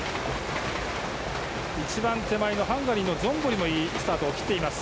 一番手前、ハンガリーのゾンボリもいいスタートを切っています。